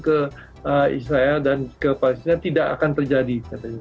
ke israel dan ke palestina tidak akan terjadi